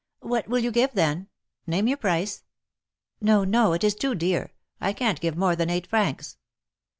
" What will you give, then ? Name your price." " No, no ! It is too dear. I can't give more than eight francs."